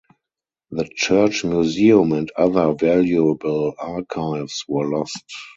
The church museum and other valuable archives were lost.